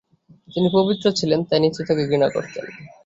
তিনি পবিত্র ছিলেন, তাই নীচুতাকে ঘৃণা করতেন।